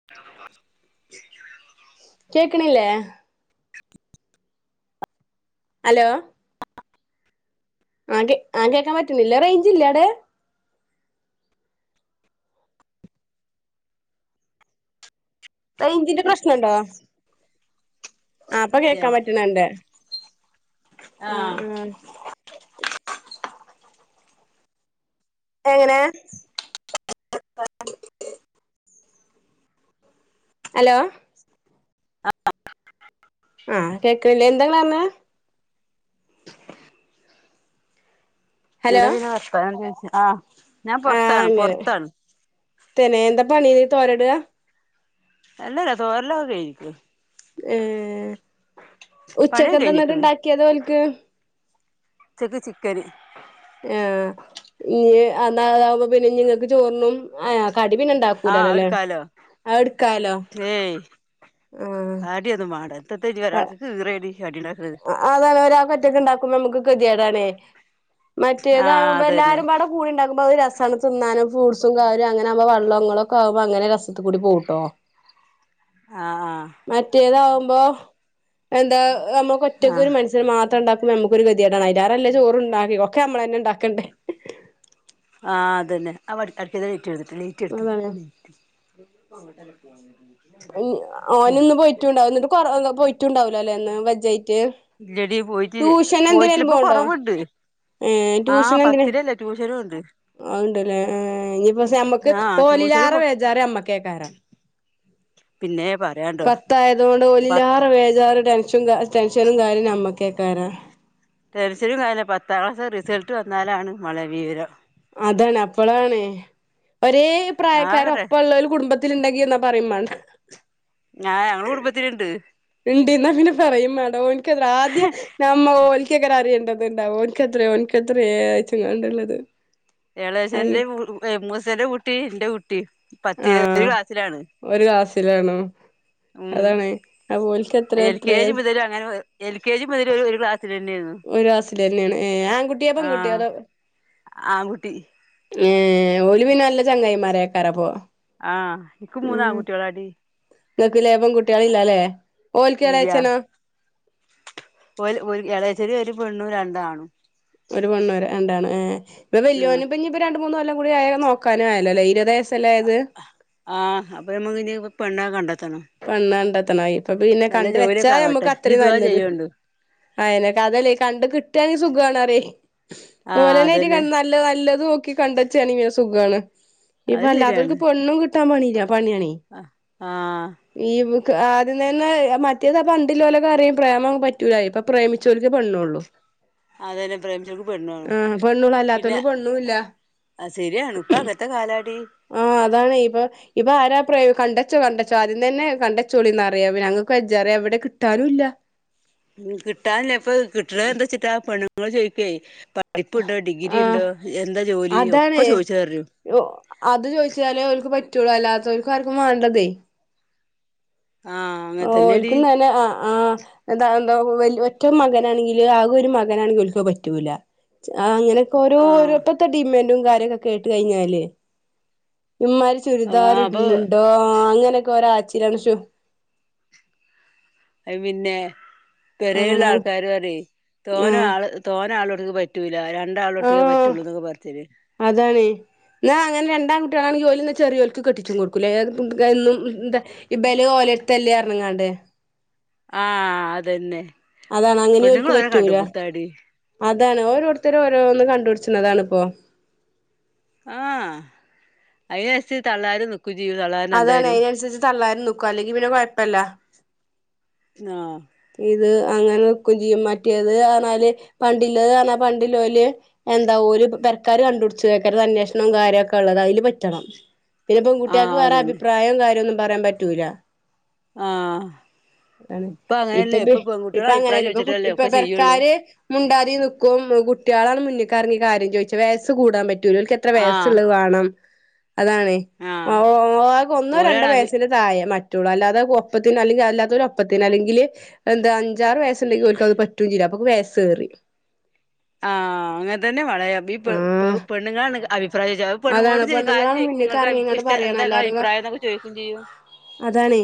[unintelligible] കേക്കണില്ലേ ഹലോ ആഹ് കേ ആഹ് കേക്കാൻ പറ്റിണില്ലേ റേഞ്ചില്ലേ അവിടെ റേഞ്ചിന്റെ പ്രശ്നവൊണ്ടോ ആഹ് ഇപ്പൊ ഇല്ലല്ല കേക്കാൻ പറ്റണുണ്ട് ആഹ് ആഹ് എങ്ങനെ ഹലോ ആഹ് കേൾക്കില്ലേ എന്താ നിങ്ങള് പറഞ്ഞത് ഹലോ ഇവിടെ പിന്നെ [unintelligible] ആഹ് ഞാൻ പൊറത്താണ് പൊറത്താണ് തന്നേ എന്താ പണി തോരടുക അല്ലല്ല തോരലക്കെ കഴിഞ്ഞിക്കണ് ഏഹ് പണിയൊക്കെ ഉച്ചക്കെന്താ എന്നിട്ട് കഴിഞ്ഞിക്ക്ണ് ഉണ്ടാക്കിയത് ഓൽക്ക് ഉച്ചക്ക് ചിക്കന് ആഹ് ഇനി അതാവുമ്പോ പിന്നെ നിങ്ങൾക്ക് ചോറിനും ആ കടി പിന്നെണ്ടാവും ആഹ് എടുക്കാല്ലോ [unintelligible] ആഹ് കടിയൊന്നും വേണ്ട [unintelligible] കടി ഉണ്ടാക്കണത് അതാണ് ഒരാക്ക് ഒറ്റക്ക് ഉണ്ടാക്കുമ്പോ നമുക്ക് ഗതികേടാണെ ആഹ് മറ്റേതാകുമ്പോ അതന്നെ എല്ലാരും പാടെ കൂടി ഉണ്ടാക്കുമ്പോ അത് രസമാണ് തിന്നാനും ഫ്രൂട്ട്സും കാര്യോം അങ്ങനാവുമ്പോ വെള്ളങ്ങളൊക്കെ ആകുമ്പോ അങ്ങനെ രസത്ത് കൂടി പോവൂട്ടോ ആഹ് ആഹ് മറ്റേതാകുമ്പോ എന്താ നമ്മക്ക് ഒറ്റക്ക് ഒരു ആഹ് മനു ഷ്യന് മാത്രം ഉണ്ടാക്കുമ്പോ നമ്മക്ക് ഒരു ഗതികേടാണ് [unintelligible] ചോറ് ഉണ്ടാക്കി ഒക്കെ നമ്മള് തന്നെ ഉണ്ടാക്കണ്ടേ ആഹ് അതന്നെ ആ വർക്കേരിക്കകത്തെ ലൈറ്റ് കെടുത്ത് അതാണ് കേട്ടോ ലൈറ്റ് കെടുത്ത് ലൈറ്റ് [unintelligible] ഓൻ ഉം ഇന്ന് പോയിട്ടുണ്ടാവി കൊറ പോയിട്ടുണ്ടാവലോ അല്ലേ ഇന്ന് വജ്ജ ആയിട്ട് ഇല്ലടി പോയിട്ടില്ല പോയിട്ട് ഇപ്പ കൊറവുണ്ട് ഏ ആഹ് പത്തിലല്ലേ ട്യൂഷനും ഉണ്ട് ഒണ്ടല്ലേ ഇനിയിപ്പോ ഞമ്മക്ക് ആഹ് ട്യൂഷന് ഓലില്ലാറെ പോ ബേജാറ് ഞമ്മക്ക് ക്കേക്കാരാ പിന്നെ ഭ പത്തായത് കൊണ്ട് വല്ലാറ് ബേജാറ് ടെൻഷും ടെൻഷനും കാര്യം നമ്മക്കേക്കരാ ടെൻഷനും കാര്യം പത്താം ക്ലാസ് റിസൾട്ട് വന്നാലാണ് മോളെ വിവരം അതാണ് അപ്പളാണ് ഒരേ പ്രായക്കാർ ആകട്ടെ ഒപ്പവൊള്ള ഒരു കുടുംബ ത്തിൽ ഉണ്ടെങ്കി എന്നാ പറയും വേണ്ട ഞാൻ ഞങ്ങടെ കുടുംബത്തിലുണ്ട് ഉണ്ട് എന്ന് അങ്ങനെ പറയുവേയും മേണ്ട ഓനിക്ക് ആദ്യം നമ്മ ഓൽക്കങ്ങനെ അറിയേണ്ടത് ഉണ്ടാവോ ഓനിക്കെത്രയാ ഓനിക്കെത്രയാ അയച്ചാണ്ടുള്ളത് എളേച്ഛന്റെ മൂസേന്റെ കുട്ടി എന്റെ കുട്ടി പത്തില് ഒരു ആഹ് ക്ലാസ്സിലാണ് ഒരു ക്ലാസ്സിലാണോ ഉം അതാണേ അപ്പോൽക്ക് എത്ര എത്രേ [unintelligible] ഒരു എൽ കെ ജി മുതൽ ഒരു ഒരു ക്ലാസ്സിലെന്നേര്ന്നു. ഒരു ക്ലാസ്സിലെന്നേണ്. ഏഹ് ആൺകുട്ട്യോ പെൺകുട്ട്യോ ആഹ് അതൊ ആൺകുട്ടി ഏഹ് ഓല് പിന്നെ നല്ല ചങ്ങായിമാരേക്കാരപ്പോ. ആഹ് ഇക്ക് മൂന്ന് ആൺകുട്ട്യേളാടി. ഇങ്ങക്ക് ലേ പെൺകുട്ട്യേളില്ലാല്ലേ. ഓൽക്ക് എളേച്ചനോ? ഓൽ ഓൽ എളേച്ഛന് ഒരു പെണ്ണും രണ്ടാണും. ഒരു പെണ്ണും രണ്ടാണും ഏഹ് ഇവടെ ആഹ് വല്യോന് ഇപ്പഞ്ഞ് ഇപ്പ രണ്ട് മൂന്ന് കൊല്ലം കൂടി ആയാ നോക്കാനും ആയല്ലോ ല്ലെ. ഇരുപത് വയസ്സല്ലേ ആയത്. ആഹ് അപ്പോ നമ്മക്കിനി പെണ്ണൊക്കെ കണ്ടെത്തണം. പെണ്ണ് കണ്ടെത്തണം ഇപ്പൊ പിന്നെ നല്ല കണ്ട് വെച്ചാ ജോലിയൊക്കെ ആവട്ടെ ഞമ്മക്ക് ഇജ്ജ് അത്രിം ദുആ നല്ലത്. ചെയ്യോണ്ടു അതെന്നെ. ക്കതല്ലേ കണ്ട് കിട്ടാണെങ്കി സുഖാണറ്യെ. ആഹ് ഓലെന്നായിട്ട് അതന്നെ കൺ നൽ ല്ല നല്ലത് നോക്കി കണ്ടെച്ചാണി പിന്നെ സുഖാണ്. ഇപ്പ അത് അല്ലാത്തോൽക്ക് പെണ്ണും കി ട്ടാൻ പണില്ല്യ പണിയാണേ. അഹ് ആഹ്. ഈ ബു ആദ്യം തന്നെ മറ്റേതാ പണ്ടില്ലോലൊക്കറിം. പ്രേമം പറ്റൂല്ല ഇപ്പൊ പ്രേമിച്ചോൽക്കേ പെണ്ണൊള്ളു. അതന്നെ പ്രേമിച്ചോൽക്ക് പെണ്ണ് വാണം ആഹ് പെണ്ണുള്ളൂ പിന്നെ. അല്ലാത്തോൽക്ക് പെണ്ണുല്ല ആഹ് സരിയാണ് ഇപ്പ അങ്ങത്തെ കാലാടി. ആഹ് അതാണേ. ഇപ്പൊ ഇപ്പൊ ആരാ പ്രെ കണ്ടച്ചോ കണ്ടച്ചോ ത്താദ്യം തന്നെ കണ്ടച്ചോളി ന്നാ റിയാ. പിന്നെ ഞങ്ങക്ക് വെജ്ജ റിം എവിടെ കിട്ടാനുല്ല. ഉം കിട്ടാൻല്ല്യ, ഇപ്പ കിട്ട്ണത് എന്തച്ചിട്ടാ പെണ്ണ്ങ്ങൾ ചോയിക്ക്വേ പഠിപ്പുണ്ടൊ ആഹ് ഡിഗ്രിണ്ടൊ എന്താ ജോലി അതാണ് ഒക്കെ ചോയിച്ചു അറ്യോ. അത് ചോയ്ച്ചാലേ ഓൽക്ക് പറ്റുള്ളൂ അല്ലാത്തോൽക്കാർക്കും വാണ്ട തേ. ആഹ്. അങ്ങനെ തന്നെടി ഓൽക്കും തന്നെ അ ആഹ്. എന്താ എന്ത വെൽ ഒറ്റ മകനാണെങ്കിൽ ആകെ ഒരു മകനാണെങ്കിൽ ഓൽക്കത് പറ്റൂല. ച് ആഹ് അങ്ങനെ ക്കോരോരൊ ആഹ് ഇപ്പത്തെ ഡിമാന്റും കാര്യയൊക്കെ കേട്ട് കഴിഞ്ഞാലേ, ഇമ്മാര് ചുരിദാർ ആഹ് അപ്പൊ ഇട്ണ് ണ്ടോ ആഹ് അങ്ങനെയൊക്കെ ഒരാച്ചിരാണ് ശു അത് പിന്നെ പെരേല്ള്ള അതാണ് ആൾക്കാര് പറ്യേ ആഹ് തോനാള് തോന ആള് ള്ളോട്ത്ത്ക്ക് പറ്റൂല്ലാ രണ്ടാൾള്ളോട്ത്ത്ക്കേ പറ്റൊള്ളൂ ന്നൊക്കെ പർഞ്ഞീനി. അതാണേ. ഇന്നാ അങ്ങനെ രണ്ടാംകുട്ട്യേളാണെങ്കി ഓലിന്ന ചെറിയോൽക്ക് കെട്ടിച്ചും കൊടുക്കുലേ ഏത് [unintelligible] എന്നും എന്താ ഇബല് ഓലെട്ത്തല്ലേ പർണ്ങ്ങാണ്ട്. ആഹ് അതെന്നെ. അതാണ് അങ്ങനി ഓൽക്ക് പറ്റൂല. അതാണ് ഓരോര്ത്തര് ഓരോന്ന് കണ്ട്പുട്ച്ച്ണതാണിപ്പം. ആഹ്. അയ്നച്ച് തള്ളാര് നി ക്കു ചെയ്യും തള്ളാ അതാണെ അതിനൻസരിച്ച് തള്ളാരും നിക്കും അല്ലെങ്കി പിന്നെ കൊഴപ്പല്ല. ആഹ് ഇത് അങ്ങനെ നിക്കും ചെയ്യും. മറ്റേത് ആണാല് പണ്ടില്ലത് കാണാ പണ്ടില്ലോല് എന്താ ഓര് പെരക്കാര് കണ്ട്പുട്ച്ചതേക്കരം. അതന്വേഷണും കാര്യൊക്കെ ഉള്ളത് അയ്ല് പറ്റണം. പിന്നെ പെൺകുട്ട്യാക്ക് ആഹ് വേറെ അതന്നെ അഭിപ്രായും കാര്യൊന്നും പറയാൻ പറ്റൂല. ആഹ് ആണ് ഇപ്പൊ അങ്ങനെയല്ലേ ഇപ്പൊ പെൺകുട്ടികളെ ഇപ്പൊ അഭിപ്രായം അങ്ങനെല്ല ഇപ്പൊ ചോദിച്ചിട്ടല്ലേ ഇപ്പ ഒക്കെ ചെയ്യുള്ളൂ പെരക്കാര് മുണ്ടാതി നിക്കും കുട്ടിയാള് മുന്നിലെകിറങ്ങി കാര്യം ചോയിച്ചും വയസ്സ് കൂടാൻ പറ്റൂല ആഹ് വയസ്സ്ള്ളത് വാണം അതാണേ ആഹ് ഒന്നോ രണ്ടോ ഓരാണ് അഭി വയസിന് താഴെ പറ്റോള്ളൂ അല്ലാതെ ഒപ്പത്തിന് അല്ലെങ്കിൽ അല്ലാത്ത ഒരു ഒപ്പത്തിന് അല്ലെങ്കിൽ എന്താ അഞ്ചാറ് വയസ്സുണ്ടെങ്കിൽഓല്ക്കത് പറ്റുല ചെയല്ല അപ്പൊ വയസ്സ് ഏറി ആഹ്‌ അങ്ങനെ തന്നെ വളയാം ഈ ആഹ് പെണ്ണുങ്ങണ് അബിപ്രായം അതാണ് പെണ്ണുങ്ങളോട് കാര്യം പെണ്ണുങ്ങളാണ് ചോയ്ക്കും മുന്നിക്ക് ഇറങ്ങിങ്ങാണ്ട് നിങ്ങൾക്ക്ക് പറയണം എന്താ അല്ലാതെ അഭിപ്രായം എന്നൊകെ ചോയിക്കും ചെയ്യും അതാണേ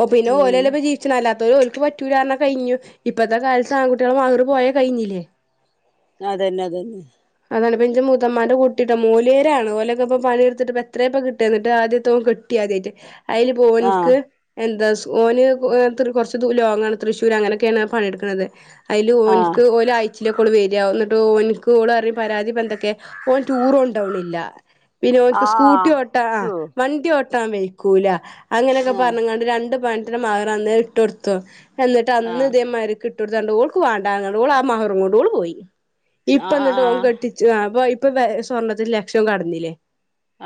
ഓ പിന്നെ ഉം ഓലലപ്പ ജീ അല്ലാത്തോര് ഒല്ക്ക് പറ്റൂല പറഞ്ഞ കഴിഞ്ഞു ഇപ്പൊത്തെ കാലത്ത് ആൺ [unintelligible] പോയ കഴിഞ്ഞില്ലേ [unintelligible] അതന്നെ അത തന്നെ അതാണ് ഇന്റെ മൂത്തമ്മാന്റെ കുട്ടി മോലിയേരാണ് ഓലക്ക ഇപ്പ പണി ടുത്തിട്ട് എത്രയപ്പൊ കിട്ട ആദ്യത്തോൻ കെട്ടി ആദ്യയിട്ട് അതില് ആഹ് പോന്ക്ക് എന്താ ഓന് കൊറച്ച് ലോങ്ങാണ് തൃശ്ശൂർ അങ്ങനെയൊക്കെയാണ് പണിയെടുക്കുന്നത് അയില് ആഹ് ഓനിക്ക് ഓലയ്ച്ചീലൊകെ വെര ഇന്നിട്ട് ഓനിക്ക് ഓള്റ പരാതി പ്പോ എന്തൊക്കെ ഓ ടൂറോണ്ടോണില്ല പിന്നെഓന്ക്ക് സ്കൂട്ടി ആഹ് ഓട്ട ആ വണ്ടി ചോ ഓട്ട വണ്ടി ഓട്ട്ടാൻ വെയിക്കൂല അങ്ങനെയൊക്കെ ആഹ് പറഞ്ഞാണ്ട് രണ്ട് പാവനത്തിന്റെ മഹർ അന്നേ ഇട്ട്ടുത്തു എന്നിട്ട് അന്ന് ആഹ് ഇതേമാതിരി ഇട്ടോട് ടുത്താണ്ട് ഒൾക്ക്ആ മഹർ വാണ്ട പറഞ്ഞു ആ മഹറുംങ്ങോണ്ട് ഓള് പോയി ഇപ്പന്ന് ടോം ആഹ് കെട്ടിച്ചു അപ്പ ഇപ്പൊ സ്വർണ്ണത്തിൽ ലക്ഷം കടന്നില്ലേ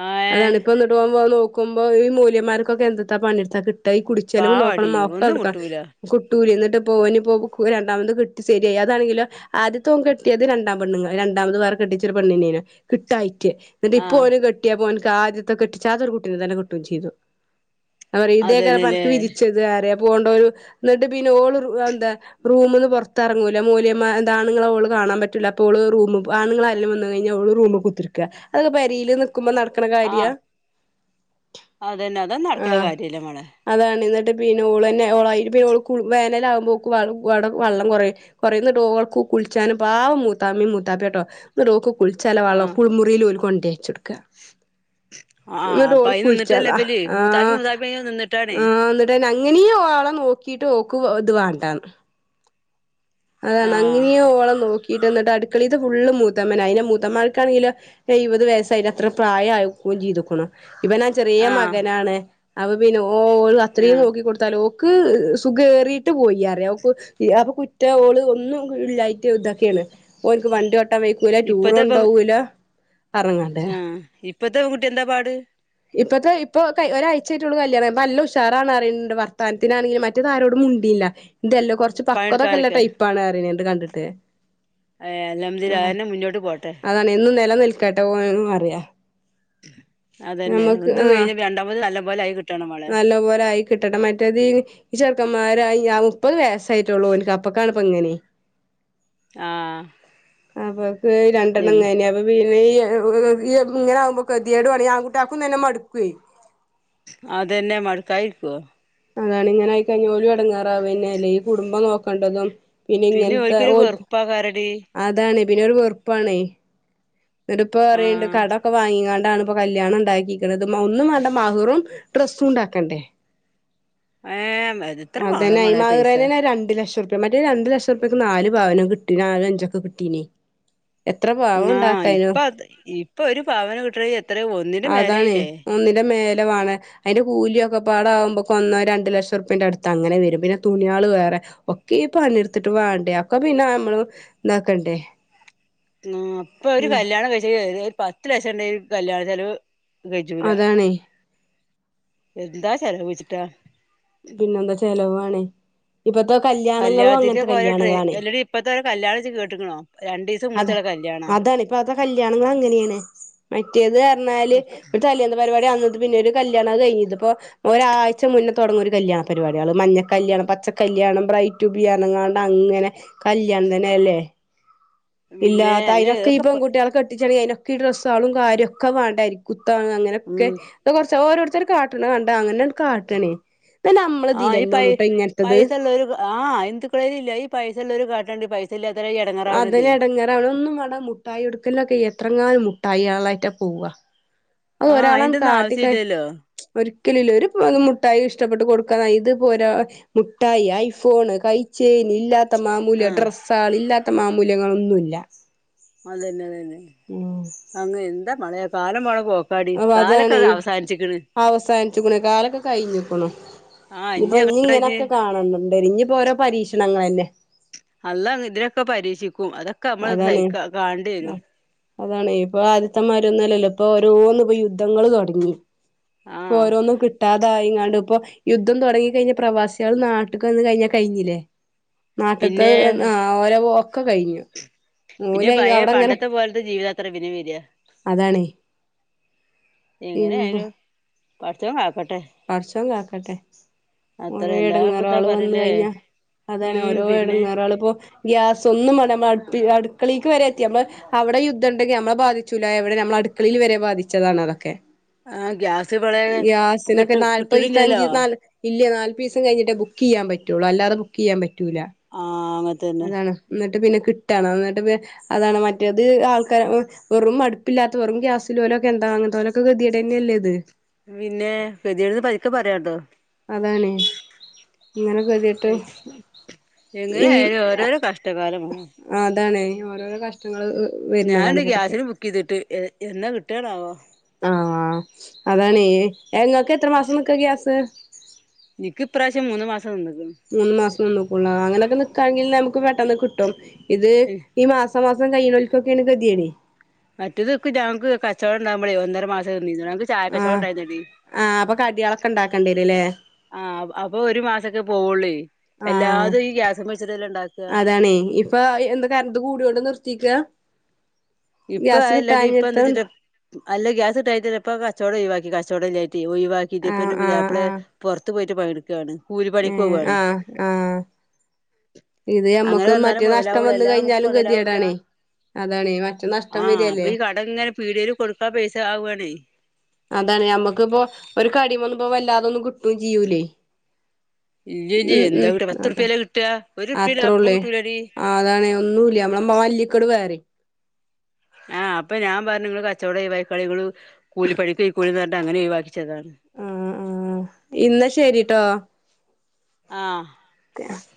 ആഹ് ഏഹ് അതാണ് ഇപ്പൊ ന്നട്ട് ഓം നോക്കുമ്പോ നോക്കുമ്പോ ഈ മോലിയമാർക്കൊക്കെ എന്ത് താ പണിയെടുത്താ കിട്ട ഈ കുടിചെലവും നോക്കണം പാവാടി മോക്ക ഒന്നും എടുക്കണം കിട്ടൂല കുട്ടൂലെ ഇന്നട്ട്പ്പം ഓനിപ്പം രണ്ടാമത് കിട്ടി ശരിയായി അതാണെങ്കിലോ ആദ്യത്തോൻ കെട്ടിയത് രണ്ടാം രണ്ടാമത് കെട്ടിച്ച പെണ്ണ്നെയ്ന്നു കിട്ടായിറ്റ് ന്നിട്ട് ആഹ് ഇപ്പോന് കെട്ട്യപ്പോ ൻക്ക് ആദ്യത്തെ കെട്ടിച്ചാത്തൊരു കുട്ടീനെ തന്നെ കിട്ടും ചെയ്തു ഞൻ പറ്യ അതന്നെല്ലേ ഇതേക്കാരപ്പൻക്ക് വിധിച്ചത് അറ്യ പ്പോണ്ടൊരു ന്നട്ട് പിന്നെ ഓള് എന്താ റൂമ്ന്ന്പൊർത്തെർങ്ങൂല മോല്യമാ ആണുങ്ങളെ ഓള് കാണാൻ പറ്റൂല അപ്പോള് റൂമ് ആ ല് വന്ന് കൈഞ്ഞ ഓള് റൂമ് കുത്തർക്ക അതൊക്കെ പെരീല് നിക്കുമ്പോ നടക്ക്‌ണ കാര്യ ആഹ് അതന്നെ അത് നട്ക്ക്‌ണ ആഹ് കാര്യല്ല മളെ അതാണ് ഇന്നിട്ട് പിന്നെ ഓളെന്നെ ഓളായി പി ഓൾ കുൾ വേനലാവുമ്പോക്ക്‌ വടം വള്ളം അവിടെ വെള്ളം കൊറ പറയുന്നേട്ടു ഓൾക്ക് കുളിച്ചാനും പാവം മൂത്തമ്മീം മൂത്താപ്പ്യട്ടോ ന്നട്ടോക്ക് കുൾച്ചാള്ള വള്ളം ആഹ് ലോൽ കൊണ്ടേച്ചൊട്ക്ക ആഹ് അപ്പൊ ന്നിട്ടോൾ അയി നിന്നിട്ടല്ലേ കുൾച്ചതാ ഇബല് മൂത്താപ്പി ആഹ് മൂത്താപ്പി അയി നിന്നിട്ടാണേ ആ ന്നട്ട് തന്നങ്ങനീ ഓളെ നോക്കീട്ട് ഓക്ക് ത് വാണ്ടാണ് അതാണ് ആഹ് അങ്ങനീ ഓളെ നോക്കീട്ട് ന്നട്ട് അടുക്കളീത്തെ ഫുള്ള് മൂത്തമ്മന്നെ അയ്നെ മൂത്തമ്മാക്കാണെങ്കില് എഴുപത് വയസ്സായിണ് അത്ര പ്രായായിക്കുണും ചെയ്തുക്ക്‌ണു ഇവനാ ചെറിയ ആഹ് മകനാണ് അപ്പ പിന്നെ ഓൾ അത്രീം ആഹ് നോക്കിടുത്താലോ ക്ക്‌ സുഖേറീട്ട് പോയിഅറ്യ ഓക്ക് അപ്പൊ റ്റേ ഓള് ഒന്നും ല്ലായിറ്റ് തൊക്കേണ് ഓൻക്ക് വണ്ട്യോട്ടാൻ വൂല ഇപ്പത്തെ പെൺ ടൂറൊണ്ടോവൂല ആഹ് ഇപ്പത്തകുട്ട്യന്താ പാട് ഇപ്പത്തെ ഇപ്പൊ ഒരാഴ്ച്ചായിട്ടൊള്ളൂ കല്യാണം പ ല്ല ഉഷാറാണ് റിണ്ട് വർത്തത്തിനാണെങ്കിലും റ്റത് ആരോടും മുണ്ടില്ല തെല്ല കൊർച്ച് പക്ക്വതൊക്കെള്ള പണിയെടുക്കാനൊക്കെ ടൈപ്പാണ് റിണ്ണ്ണ്ട് കണ്ടിട്ട് ഏ അൽഹംദില്ലാഹ് അഹെന്നെ മുന്നോട്ട് പോട്ടെ നിന്നും നെലനിൽക്കട്ടെ ഓൻ അറിയ അതന്നെ ഒന്ന് ആഹ് കഴിഞ്ഞപിന്നെ രണ്ടാമത് നല്ലപോലെ ആയി കിട്ടാണ് നമ്മളെ നല്ല പോലായി കിട്ടട്ടെ മറ്റതീ ചെർക്കമ്മാരായി ആ മുപ്പത് വയസ്സായിട്ടൊള്ളൂ ഓന്ക്ക് അപ്പ കാണ്പ്പ അങ്ങനിം ആഹ് അപ്പൊക്ക് എങ് രണ്ടെണ്ണംങ്ങനെ അപ്പൊ പിന്നെ ങ്ങനാവുമ്പോ കെത്യേടു ആണ് ഈ ആങ്കുട്ട്യാക്കും തന്നെ മടുക്കേ അതെന്നെ മട്ക്കായിര്ക്കോ അതാണ് ങ്ങനായിക്കയ്ഞ്ഞ ഓലും എടങ്ങാറാവെന്നല്ലേ ഈ കുടുംബം നോക്കണ്ടതും പിന്നെ ഇങ്ങനത്തെ ഓല്ക്കൊരു ഓൽക്ക് വെറുപ്പാകാരടി അതാണ് പിന്നൊരു വെറുപ്പാണെ ന്നട്ട് ഇപ്പറിണ്ട് ആഹ് കടൊക്കെ വാങ്ങികാണ്ടാണ് പ്പൊ കല്യാണം ഇണ്ടാക്കിക്കണത് ഒന്നും വേണ്ട മഹറും ഡ്രസ്സും ഉണ്ടാക്കണ്ടേ ഏഹ് എത്ര വാണം അതന്നെ ഈ മോളെ പൈസ മഹർനെന്നെ രണ്ടു ലക്ഷം മറ്റേ രണ്ട് ലക്ഷൊർപ്യെക്ക് നാല് പവനം കിട്ടി നാലൊ അഞ്ചൊക്കെ കിട്ടീനി ആ ഇപ്പ ഇപ്പൊരു പവൻ കിട്ടണെ എത്ര ഒന്നിന്റെ അതാണേ മേലായിലെ ഒന്നിന്റെ മേലെ വാണേ അയ്ന്റെ കൂലിയൊക്കെപ്പാടാകുമ്പൊ ക്കൊന്നൊ രണ്ട് ലക്ഷുർപ്യേന്റെട്ത്തങ്ങനെ വരും പിന്നെ തുണ്യാള് വേറെ ഒക്കീ പണിട്ത്തിട്ട് വാണ്ടേ അക്കെ പിന്നെ നമ്മള് താക്കണ്ടേ ആ അപ്പൊരു കല്യാണം കൈച്ചണേ ഒരു പത്ത് ലക്ഷം ണ്ടേലും കല്യാണ ചെലവ് കജ്ജൂല അതാണേ എന്താ ചെലവേച്ചിട്ടാ പിന്നെന്താ ചെലവാണേ ഇപ്പത്തെ കല്യാണങ്ങളും കല്യാണത്തിന്റെ അങ്ങൻത്തെ ഒക്കെ ഓരോ ട്രെ കല്യാണങ്ങളാണേ അല്ലെടി ഇപ്പത്തെ ഓരോ കല്യാണം ഇജ്ജ് കേട്ട്ക്കണോ രണ്ടീസം അതെ മൂന്നീസള്ള കല്യാണാ അതാണ് ഇപ്പത്തെ കല്യാണങ്ങളങ്ങനേണ് മറ്റേത് അർഞ്ഞാല് തലേന്ന് പര്പാടി അന്ന് പിന്നൊരു കല്യാണം അഹ് കൈഞ്ഞ് ഇത്പ്പൊ ഒരാഴ്ച മുന്നേ തൊട്ങ്ങൊരു കല്യാണ പരിപാടികള് മഞ്ഞ കല്യാണം പച്ച ക്കല്യാണം ബ്രൈറ്റുബി അർഞ്ഞാണ്ട അങ്ങനെ കല്യാണം തന്നല്ലേ പിന്നെ ഇല്ലാത്താ അയിന് അയിനൊക്കെ ഈ ഇതൊക്കെ പെൺട്ടിയോളെ കെട്ടിച്ചാണെങ്കിൽ അയിനൊക്കെ ഈ ഡ്രസ്സുകളും കാര്യൊക്കെ വാണ്ടേ അരികുത്താനും അങ്ങനെ തൊക്കെ ഉം കൊറച്ച് ഓരോർത്തർ കാട്ട്ണ കണ്ടാ അങ്ങനെണ്ട് കാട്ടണേ ആഹ് ഈ പൈ പൈസല്ലൊരു ആഹ് ഇന്ദുക്കളില്ല ഈ പൈസല്ലോര് കാട്ട്ണ കണ്ട് പൈസ ഇല്ലാത്തവര് ഈ എട അതെന്നെ എടങ്ങേറാവുണ് ഒന്നും വേണ്ടാ മുട്ടായി കൊടുക്കലിനൊക്കെ എത്രങ്ങാനും മുട്ടായി ആയിട്ടാ പോവാ അത് ആഹ് ഒരാളങ്ങ് അയിന്റൊന്നും ആവശ്യം കാട്ടിക്കഴി ഇല്ലല്ലോ ഒരിക്കലും ഇല്ല ഒരു പ്പോ മുട്ടായി ഇഷ്ടപ്പെട്ട് കൊടുക്കാനാ ഇത്പ്പോരാ മുട്ടായി ഐഫോണ് കയ്ച്ചേന് ഇല്ലാത്ത മാമൂല് ആഹ് ഡ്രസ്സാള് ഇല്ലാത്ത മാമൂല്യങ്ങളൊന്നുല്ല അതന്നെ അതന്നെ ഉം അങ്ങ് എന്താ പറയാ കാലം പോണ പോ അപ്പൊ അതാണ് ഈ അവസാനിച്ച് ക്ക്ണു കാലൊക്കെ കഴിഞ്ഞുക്ക്ണ് ആഹ് ഇപ്പൊ ഇനി ഇഞ്ഞ് എങ്ങട്ടാ ഇനി ഇങ്ങനെക്കെ കാണണ്ടേരും ഇനിയിപ്പോ ഓരോ പരീക്ഷണങ്ങളന്നെ അള്ള ഇതിനൊക്കെ പരീക്ഷിക്കും അതാ അതാണ് ഉം അതാണ് ഇപ്പൊ ആദ്യത്തെമാരൊന്നുല്ലല്ലോ ഇപ്പൊ ഓരോന്ന് യുദ്ധങ്ങൾ തുടങ്ങി ആഹ് ഓരോന്നും കിട്ടാതായിങ്ങാണ്ട് ഇപ്പൊ യുദ്ധം തൊടങ്ങി കഴിഞ്ഞാ പ്രവാസേള് നാട്ട്ക്ക് വന്ന് കഴിഞ്ഞാൽ കഴിഞ്ഞില്ലേ നാട്ട്ത്തെ പിന്നെ ആഹ് ആഹ് ഒരേ പോക്കെ ഒക്കെ കഴിഞ്ഞു പിന്നെ ഓല് പയേ അവിടെ അങ്ങനെ പണ്ടത്തെ പോലത്തെ ജീവിതത്ര പിന്നെ വര്യാ അതാണ് ഈ എങ്ങനെയായാലും പടച്ചോൻ കാക്കട്ടെ പടച്ചോൻ കാക്കട്ടെ ഓരോ അത്രയല്ലാ ഇപ്പ എന്താ എടങ്ങേറാള് വന്നു പറയലേ കഴിഞ്ഞാ അതാണ് ഉം ഓരോ പിന്നെ എടങ്ങാറേള് ഇപ്പോ ഗ്യാസന്നും വേണ്ടാ നമ്മള് അടുപ്പ് അടുക്കളേക്ക് വരെ എത്തി നമ്മള് അവിടെ യുദ്ധണ്ടെങ്കിൽ നമ്മളെ ബാധിച്ചൂല എവിടെ നമ്മെ അടുക്കളയിൽ വരെ ബാധിച്ചതാണ് അതൊക്കെ ആഹ ഗ്യാസ് ഇവിടേണ് കി നാൽപീസ അഞ്ച് നാല് ഇല്ലേ നാല്പീസം കഴിഞ്ഞിട്ടേ ബുക്ക് ചെയ്യാ പറ്റൊള്ളൂ അല്ലാതെ ബുക്ക് ചെയ്യാൻ പറ്റൂല ആഹ് മറ്റ് അതാണ് എന്നിട്ട് പിന്നെ കിട്ടണം എന്നിട്ട് അതാണ് മറ്റേത് ആൾക്കാരെ ഉം വെറും അടുപ്പില്ലാത്ത വെറും ഗ്യാസ് ഉള്ളോ രൊക്കെ എന്താങ്ങന് ത്തോലൊക്കെ ഗതികേടന്നെല്ലേ ഇത് പിന്നെ കേതേട്ന്ന് പരിക്കെ പറയാണ്ടോ അതാണേ ഇങ്ങനെ കെതേടെ ഏഹ് എങ്ങനെയയാലും ഓരോരോ കഷ്ടക്കാലം മളെ ആതാണേ ഓരോരോ കഷ്ടങ്ങൾ ഹ് ഞാണ്ട് ഗ്യാസിന് ബുക്ക് ചെയ്തിട്ട് എന്നാ കിട്ടണാവോ ആഹ് അതാണേ ങ്ങക്ക് എത്ര മാസം നിക്ക ഗ്യാസ് നിക്ക് ഇപ്രാവശ്യം മൂന്ന് മാസം നിന്നുക്കുണ് മൂന്നു മാസം നിന്നുകുണ് അങ്ങനെയൊക്കെ നി ക്കായാണെങ്കിൽ നമുക്ക് പെട്ടന്ന് കിട്ടും ഇത് ഈ മാസം മാസം കഴിയ്ണോൽക്കൊക്കേണ് കെതേട് മറ്റെതൊക്കെ ഞങ്ങൾക്ക് കച്ചവടം ഉണ്ടാവുമ്പളേ ഒന്നര മാസം നിന്നീന്നുള്ളൂ ഞങ്ങൾക്ക് ആഹ് ആഹ് അപ്പൊ കടിയോലൊക്കെ ഉണ്ടാക്കേണ്ടിരുംലേ ആഹ് അപ്പൊ ഒരു മാസൊക്കെ പോവൊള്ളേ ആഹ് എല്ലാതും ഈ ഗ്യാസ് മ്മെ വെച്ച്ട്ടല്ലേ ഉണ്ടാക്കാ അതാണേ ഈ പ്പൊ എന്താ കരണ്ട് കൂടിയോണ്ട് നിർത്തിക്കാ ഇപ്പൊ ഗ്യാസ് അതല്ലടി ഇപ്പൊ എന്താ കിട്ടാഞ്ഞിട്ടോണ്ടാ വെച്ചിട്ടാ അല്ല ഗ്യാസ് കിട്ടായിട്ടല്ല, ഇപ്പോ കച്ചോടം ഒഴിവാക്കി കച്ചോടം ഇല്ലായിട്ട് ട്ട് ഒഴിവാക്കിയിട്ട് ആഹ് പ്പന്റെ ആഹ് പുയാപ്പളാ ആഹ് പുറത്ത് പോയിട്ട് പണി എടുക്കാണ്. കൂലി പണിക്ക് ഏഹ് പോവാണ് ആഹ് ആഹ് ഇത് അങ്ങനെ ഞമ്മക്കും വന്നാലേ മറ്റേ നഷ്ടം മൊതലാവുള്ളൂ അ വന്ന് ല്ലാതെ നമുക്ക് കഴിഞ്ഞാലും മൊതലാവൂല ഗതികേടാണേ അതാണേ മറ്റന്നാ ആഹ് അപ്പൊ ഈ കടം ഇങ്ങനെ പീടേല് കൊടുക്കണ പൈസ ആവാണേ അതാണ് നമ്മുക്കിപ്പോ ഒരു കടിമ്മന്നു പ്പോ വല്ലാതെന്നും കിട്ടും ചെയ്യൂ ലേ ഇല്ല ജ് എന്താ കിട്ടാ പത്ത് അതെ റുപല്ല കിട്ട ഒരു റുപ്പയില ലാഭം കിട്ടൂലടി ആഹ് അതാണ ഒന്നുല്ല നമ്മളെ മ മല്ലിക്കോട് വേറെ ആഹ് അപ്പം ഞാൻ പറഞ്ഞു നിങ്ങള് കച്ചവടം ഒഴിവാക്ക്യാളി, ഇങ്ങൾ കൂലിപ്പണിക്ക് പൊയ്ക്കോളി ന്ന് പറഞ്ഞിട്ട് അങ്ങനെ ഒഴിവാക്കിച്ചതാണ് ആഹ് ആഹ് ഇന്ന ശരിട്ടോ ആഹ് [inaudible]